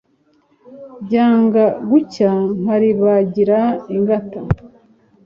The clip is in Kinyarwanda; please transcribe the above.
ryanga gucya nkalibangira ingata